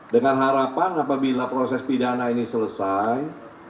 dengan harapan apabila proses pidana ini selesai